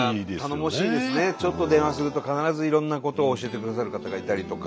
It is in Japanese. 頼もしいですねちょっと電話すると必ずいろんなことを教えてくださる方がいたりとか。